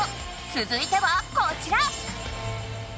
つづいてはこちら！